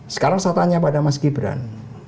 sekarang saya tanya pada mas gibran